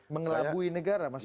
mengelabui negara mas